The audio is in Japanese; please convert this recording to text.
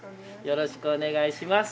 よろしくお願いします。